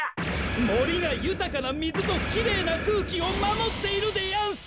もりがゆたかなみずときれいなくうきをまもっているでやんす！